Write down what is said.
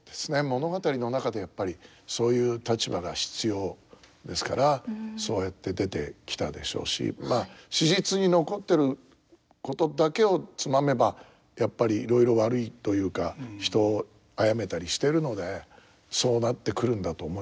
物語の中でやっぱりそういう立場が必要ですからそうやって出てきたでしょうしまあ史実に残ってることだけをつまめばやっぱりいろいろ悪いというか人を殺めたりしてるのでそうなってくるんだと思いますけど。